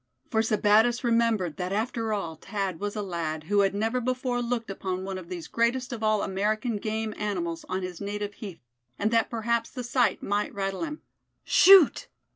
For Sebattis remembered that after all Thad was a lad who had never before looked upon one of these greatest of all American game animals on his native heath and that perhaps the sight might rattle him. "Shoot!"